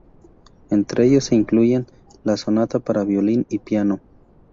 Entre ellos se incluyen la "Sonata para violín y piano", op.